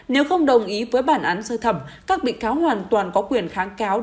nếu không đồng ý với bản án sơ thẩm các bị cáo hoàn toàn có quyền kháng cáo